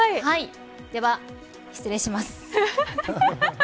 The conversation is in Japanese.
では失礼します。